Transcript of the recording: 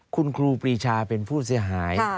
คุณครูปรีชาเป็นผู้เสียหาย